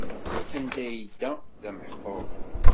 Anda yedda d ameḥqur.